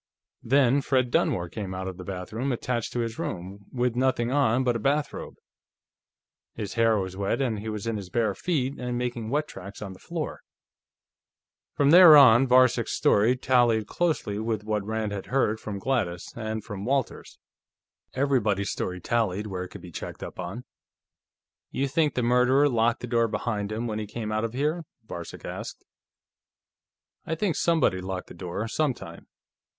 Then Fred Dunmore came out of the bathroom attached to his room, with nothing on but a bathrobe. His hair was wet, and he was in his bare feet and making wet tracks on the floor." From there on, Varcek's story tallied closely with what Rand had heard from Gladys and from Walters. Everybody's story tallied, where it could be checked up on. "You think the murderer locked the door behind him, when he came out of here?" Varcek asked. "I think somebody locked the door, sometime.